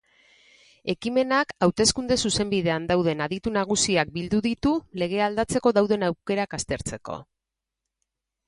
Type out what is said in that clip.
Ekimenak hateskunde-zuzenbidean dauden aditu nagusiak bildu ditu legea aldatzeko dauden aukerak aztertzeko.